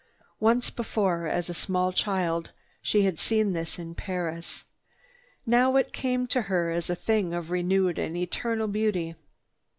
Once before, as a small child, she had seen this in Paris. Now it came to her as a thing of renewed and eternal beauty.